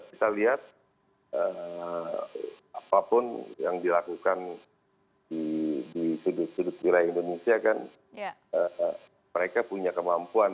kita lihat apapun yang dilakukan di sudut sudut wilayah indonesia kan mereka punya kemampuan